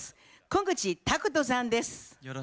小口拓利さんです。